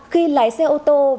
khi lái xe ô tô